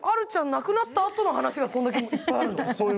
亡くなったあとの話がそんだけいっぱいあるの？